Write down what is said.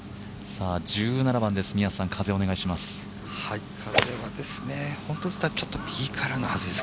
１７番です、風お願いします。